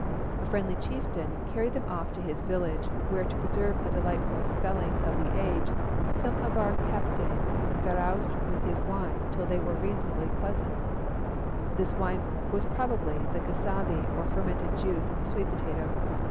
A friendly chieftain carried them off to his village, where, to preserve the delightful spelling of the age, 'some of our captaines garoused of his wine till they were reasonable pleasant,' this wine being probably the cassivi or fermented juice of the sweet potato.